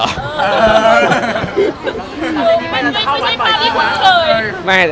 ไม่ใช่ภาพที่เหมาะเคย